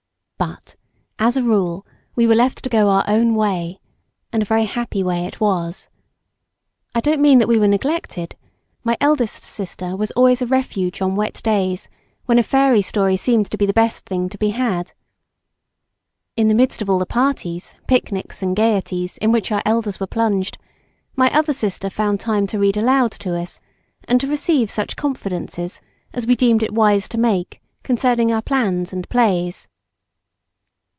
But, as a rule, we were left to go our own way, and a very happy way it was. I don't mean that we were neglected; my eldest sister was always a refuge on wet days when a fairy story seemed to be the best thing to be had. In the midst of all the parties, picnics and gaieties in which our elders were plunged, my other sister found time to read aloud to us, and to receive such confidences as we deemed it wise to make concerning our plans and our plays.